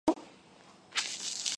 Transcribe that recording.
보여요?